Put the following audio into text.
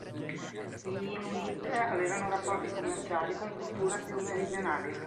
Gli Inuit avevano rapporti commerciali con culture più meridionali.